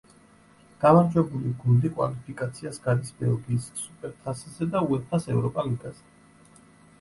გამარჯვებული გუნდი კვალიფიკაციას გადის ბელგიის სუპერთასზე და უეფა-ს ევროპა ლიგაზე.